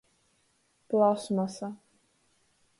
Plasmasa.